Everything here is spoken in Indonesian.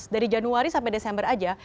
dari januari sampai desember aja